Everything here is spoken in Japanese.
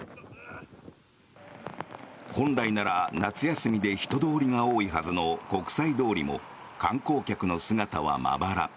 本来なら夏休みで人通りが多いはずの国際通りも観光客の姿はまばら。